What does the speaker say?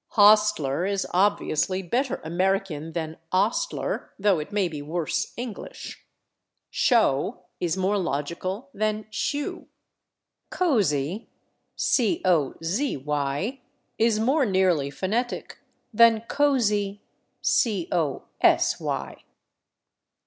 /Hostler/ is obviously better American than /ostler/, though it may be worse English. /Show/ is more logical than /shew/. /Cozy/ is more nearly phonetic than /cosy